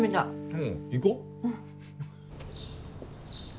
うん行こう。